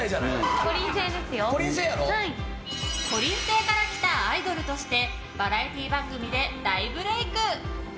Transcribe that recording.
こりん星から来たアイドルとしてバラエティー番組で大ブレーク。